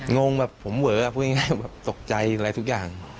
งงแบบผมเวอพูดง่ายแบบตกใจอะไรทุกอย่าง